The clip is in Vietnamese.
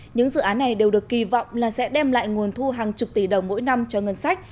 những dự án này đều được kỳ vọng là sẽ đem lại nguồn thu hàng chục tỷ đồng mỗi năm cho ngân sách